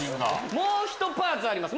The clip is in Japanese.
もうひとパーツあります